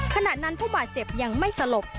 ขณะนั้นผู้บาดเจ็บยังไม่สลบ